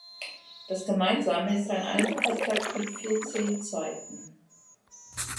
Das Gemeinsame ist ein einfacher Takt mit vier Zählzeiten.